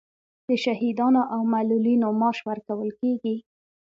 د شهیدانو او معلولینو معاش ورکول کیږي؟